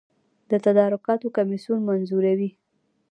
د تدارکاتو کمیسیون منظوروي